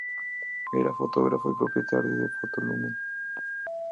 Era fotógrafo y propietario de Foto Lumen.